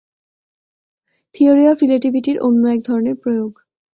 Theory of রিলেটিভিটির অন্য এক ধরনের প্রয়োগ।